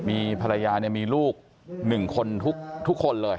มีภรรยามีลูก๑คนทุกคนเลย